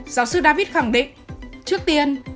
giáo sư david khẳng định trước tiên